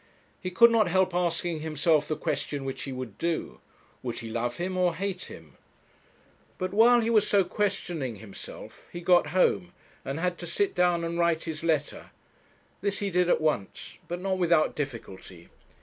He could not help asking himself the question which he would do. Would he love him or hate him? But while he was so questioning himself, he got home, and had to sit down and write his letter this he did at once, but not without difficulty.